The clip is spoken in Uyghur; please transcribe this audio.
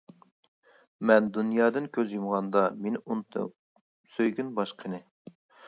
مەن دۇنيادىن كۆز يۇمغاندا مېنى ئۇنتۇپ سۆيگىن باشقىنى.